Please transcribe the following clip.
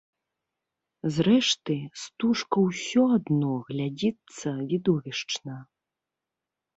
Зрэшты, стужка ўсё адно глядзіцца відовішчна.